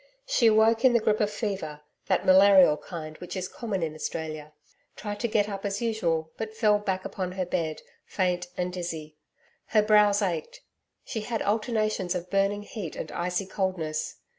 She awoke in the grip of fever that malarial kind which is common in Australia tried to get up as usual, but fell back upon her bed, faint and dizzy. Her brows ached. She had alternations of burning heat and icy coldness.